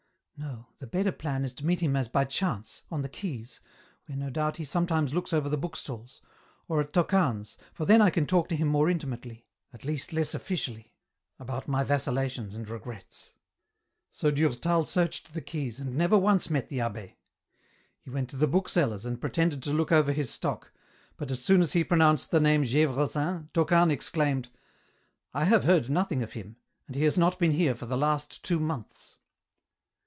No : the better plan is to meet him as by chance, on the quays, where no doubt he sometimes looks over the book stalls, or at Tocane's, for then I can talk to him more intimately, at least less officially, about my vacillations and regrets." So Durtal searched the quays, and never once met the abb^. He went to the bookseller's, and pretended to look over his stock, but as soon as he pronounced the name Gdvresin, Tocane exclaimed, "I have heard nothing ot him, he has not been here for the last two months."